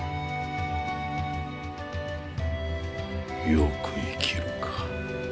よく活きるか。